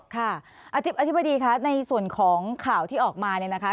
ค่ะอธิบดีคะในส่วนของข่าวที่ออกมาเนี่ยนะคะ